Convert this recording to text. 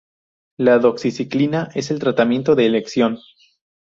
La doxiciclina es el tratamiento de elección.